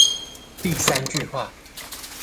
第三句話